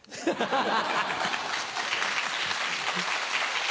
ハハハ。